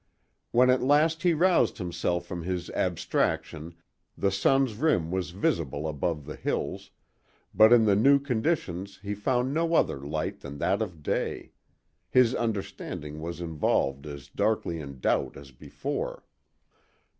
When at last he roused himself from his abstraction the sun's rim was visible above the hills, but in the new conditions he found no other light than that of day; his understanding was involved as darkly in doubt as before.